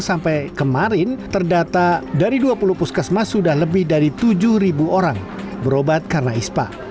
sampai kemarin terdata dari dua puluh puskesmas sudah lebih dari tujuh orang berobat karena ispa